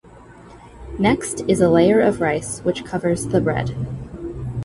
Next is a layer of rice which covers the bread.